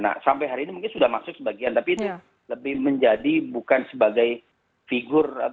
nah sampai hari ini mungkin sudah masuk sebagian tapi itu lebih menjadi bukan sebagai figur